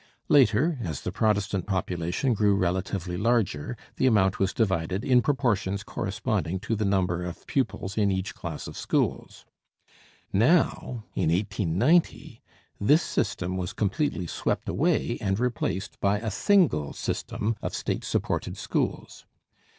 Later, as the Protestant population grew relatively larger, the amount was divided in proportions corresponding to the number of pupils in each class of schools. Now, in 1890, this system was completely swept away and replaced by a single system of state supported schools.